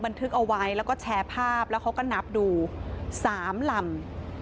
บันทึกเอาไว้แล้วก็แชร์ภาพแล้วเขาก็นับดู๓ลำ